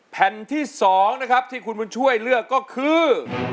แผ่นที่๒นะครับที่คุณบุญช่วยเลือกก็คือ